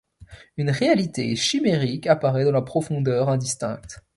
Une réalité chimérique apparaît dans la profondeur indistincte.